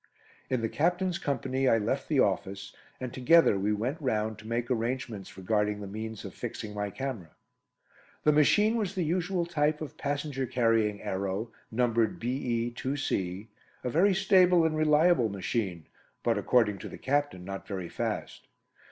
In the Captain's company I left the office, and together we went round to make arrangements regarding the means of fixing my camera. The machine was the usual type of passenger carrying aero, numbered BE 2C, a very stable and reliable machine, but according to the Captain, not very fast.